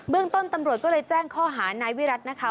ต้นตำรวจก็เลยแจ้งข้อหานายวิรัตินะคะ